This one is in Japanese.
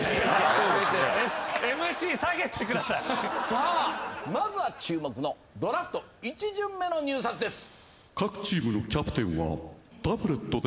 さあまずは注目のドラフト１巡目の入札です。